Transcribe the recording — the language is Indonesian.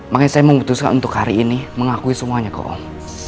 makanya saya memutuskan untuk hari ini mengakui semuanya ke om